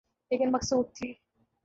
لیکن مقصود تھی۔